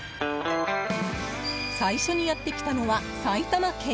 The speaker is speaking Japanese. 最初にやってきたのは埼玉県。